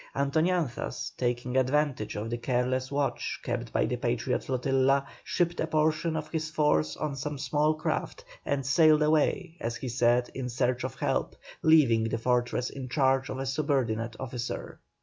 Antoñanzas, taking advantage of the careless watch kept by the Patriot flotilla, shipped a portion of his force on some small craft, and sailed away, as he said, in search of help, leaving the fortress in charge of a subordinate officer.